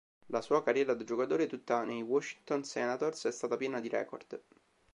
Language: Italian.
La sua carriera da giocatore, tutta nei Washington Senators, è stata piena di record.